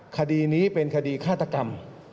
คดีนี้เป็นคดีฆาตกรรม